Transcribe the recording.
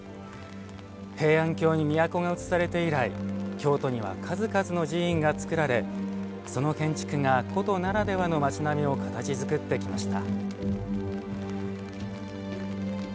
平安京に都がうつされて以来京都には数々の寺院が造られその建築が古都ならではの町並みを形づくってきました。